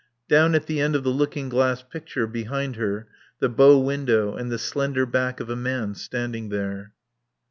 Down at the end of the looking glass picture, behind her, the bow window and the slender back of a man standing there.